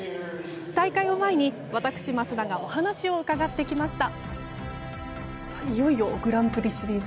大会を前に私、桝田がお話を伺ってきました。